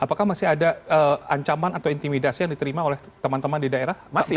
apakah masih ada ancaman atau intimidasi yang diterima oleh teman teman di daerah